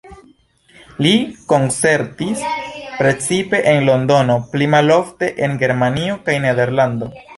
Li koncertis precipe en Londono, pli malofte en Germanio kaj Nederlando.